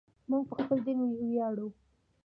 موږ په خپل دین ویاړو.